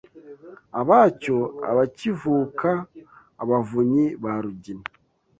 Abacyo abacyivuka Abavunyi ba Rugina